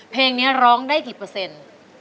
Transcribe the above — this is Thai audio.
เพลงนี้ร้องได้กี่เปอร์เซ็นต์